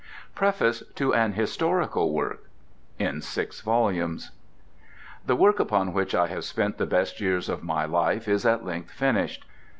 PREFACE TO AN HISTORICAL WORK (In six volumes) The work upon which I have spent the best years of my life is at length finished.